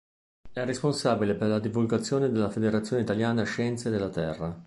È responsabile per la divulgazione della Federazione Italiana Scienze della Terra.